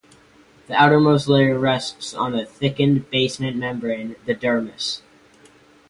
The outermost layer rests on a thickened basement membrane, the dermis.